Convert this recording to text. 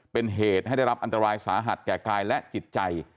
เป็นเหตุให้ได้รับอันตรายสาหัสแก่กายและจิตใจ